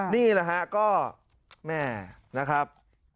นี่แหละฮะก็แม่นะครับ